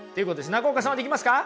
中岡さんはできますか？